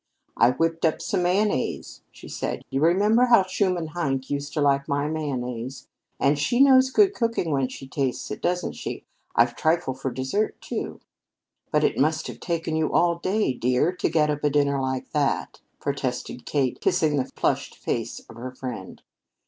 "I whipped up some mayonnaise," she said. "You remember how Schumann Heink used to like my mayonnaise? And she knows good cooking when she tastes it, doesn't she? I've trifle for desert, too." "But it must have taken you all day, dear, to get up a dinner like that," protested Kate, kissing the flushed face of her friend.